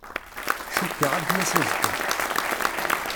Cukkeɣ ad d-yas azekka.